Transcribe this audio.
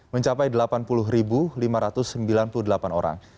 mencapai delapan puluh lima ratus sembilan puluh delapan orang